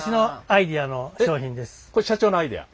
これ社長のアイデア？